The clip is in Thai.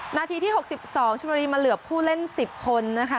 นาทีที่๖๒ชนบุรีมาเหลือผู้เล่น๑๐คนนะคะ